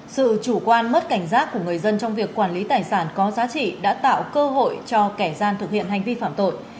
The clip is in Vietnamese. sự chủ quan mất cảnh giác của người dân trong việc quản lý tài sản có giá trị đã tạo cơ hội cho kẻ gian thực hiện hành vi phạm tội